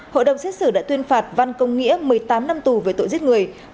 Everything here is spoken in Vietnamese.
hội đồng xét xử đã tuyên phạt văn công nghĩa một mươi tám năm tù về tội giết người